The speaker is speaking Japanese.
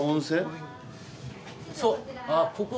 そう。